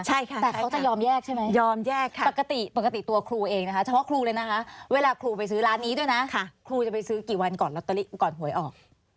ใช่ค่ะแต่เขาจะยอมแยกใช่ไหมยอมแยกค่ะปกติปกติตัวครูเองนะคะเฉพาะครูเลยนะคะเวลาครูไปซื้อร้านนี้ด้วยนะครูจะไปซื้อกี่วันก่อนลอตเตอรี่ก่อนหวยออก